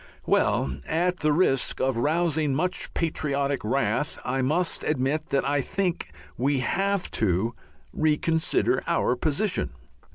Well, at the risk of rousing much patriotic wrath, I must admit that I think we have to reconsider our position.